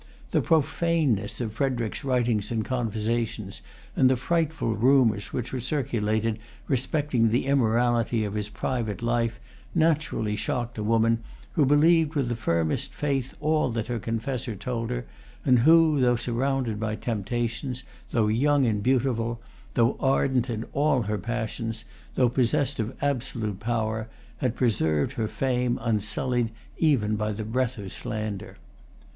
The profaneness of Frederic's[Pg 294] writings and conversation, and the frightful rumors which were circulated respecting the immorality of his private life, naturally shocked a woman who believed with the firmest faith all that her confessor told her, and who, though surrounded by temptations, though young and beautiful, though ardent in all her passions, though possessed of absolute power, had preserved her fame unsullied even by the breath of slander.